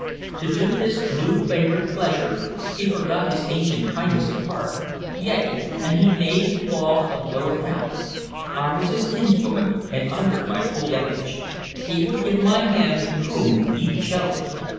To do this new favorite pleasure he forgot his ancient kindness of heart; yea, and he made the law of no account. I was his kinswoman, and under my full age; he would give my hand to whom he chose.